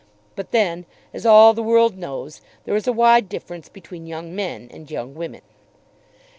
But then, as all the world knows, there is a wide difference between young men and young women!